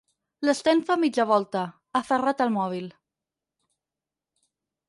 L'Sten fa mitja volta, aferrat al mòbil.